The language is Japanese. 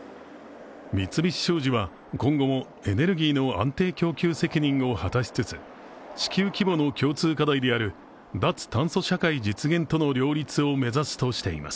三菱商事は今後もエネルギーの安定供給責任を果たしつつ地球規模の共通課題である脱炭素社会実現との両立を目指すとしています。